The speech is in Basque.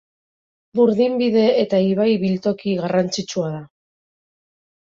Burdinbide eta ibai biltoki garrantzitsua da.